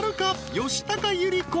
吉高由里子